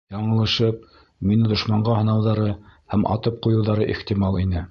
Яңылышып, мине дошманға һанауҙары һәм атып ҡуйыуҙары ихтимал ине.